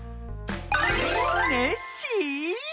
ネッシー？